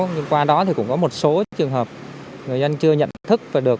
nhưng qua đó thì cũng có một số trường hợp người dân chưa nhận thức và được